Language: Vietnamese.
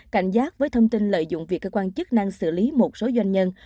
cảnh giác với thông tin lợi dụng việc cơ quan chức năng xử lý một số doanh nhân